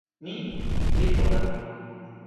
ni li pona!